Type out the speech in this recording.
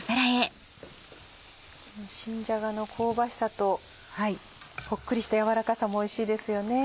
新じゃがの香ばしさとほっくりしたやわらかさもおいしいですよね。